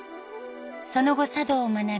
その後茶道を学び